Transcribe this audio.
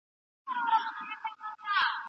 څنګه کولای سو چي دا کار زده کړو؟